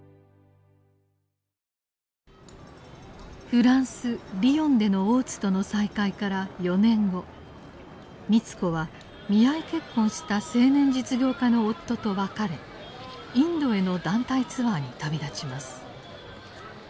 フランス・リヨンでの大津との再会から４年後美津子は見合い結婚した青年実業家の夫と別れインドへの団体ツアーに旅立ちます。